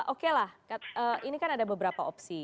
oke lah ini kan ada beberapa opsi